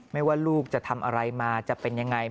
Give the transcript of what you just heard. ไม่ว่าลูกจะทำอะไรมาจะเป็นยังไง